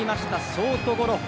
ショートゴロ。